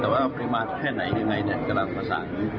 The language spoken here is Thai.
แต่ว่าปริมาทแท่ไหนแล้วอย่างไรก็จะประสาน